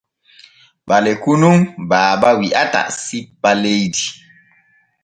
Ɓaleku nun Baaba wi’ata sippa leydi.